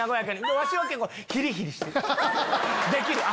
わしは結構ヒリヒリしてる。